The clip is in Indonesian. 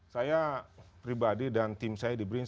saya pribadi dan tim saya di brin